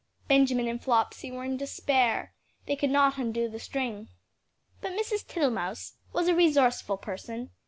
Benjamin and Flopsy were in despair, they could not undo the string. But Mrs. Tittlemouse was a resourceful person.